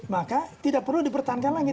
maka tidak perlu dipertahankan lagi